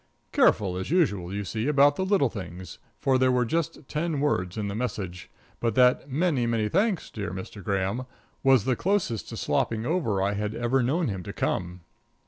Careful as usual, you see, about the little things, for there were just ten words in the message. But that "Many, many thanks, dear Mr. Graham," was the closest to slopping over I had ever known him to come.